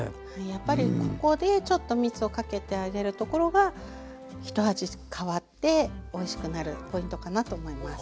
やっぱりここでちょっとみつをかけてあげるところがひと味変わっておいしくなるポイントかなと思います。